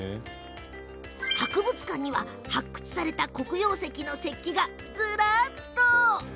博物館には、発掘された黒曜石の石器がずらっと。